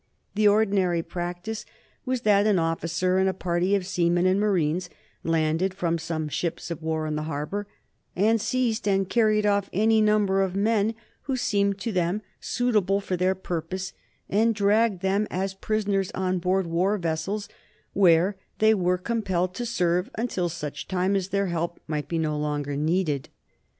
The ordinary practice was that an officer and a party of seamen and marines landed from some ships of war in the harbor, and seized and carried off any number of men who seemed to them suitable for their purpose, and dragged them as prisoners on board war vessels, where they were compelled to serve until such time as their help might be no longer needed.